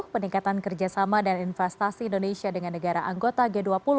peningkatan kerjasama dan investasi indonesia dengan negara anggota g dua puluh